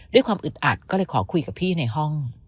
อึดอัดก็เลยขอคุยกับพี่ในห้อง